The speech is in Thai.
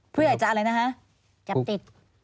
ผู้ใหญ่จะอะไรนะฮะจับติด